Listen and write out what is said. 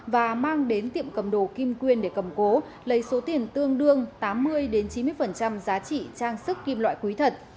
và mang đến tiệm cầm đồ kim quyên để cầm cố lấy số tiền tương đương tám mươi chín mươi giá trị trang sức kim loại quý thật